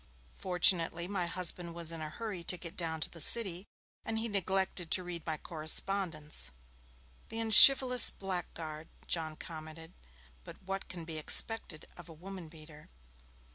Fortunately my husband was in a hurry to get down to the City, and he neglected to read my correspondence. (The unchivalrous blackguard,' John commented. 'But what can be expected of a woman beater?')